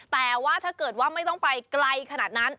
แต่ว่าถ้าเกิดว่าไม่ต้องไปไกลขนาดนั้น